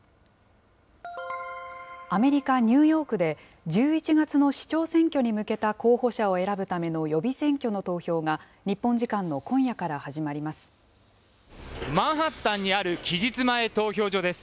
アメリカ・ニューヨークで、１１月の市長選挙に向けた候補者を選ぶための予備選挙の投票が日マンハッタンにある期日前投票所です。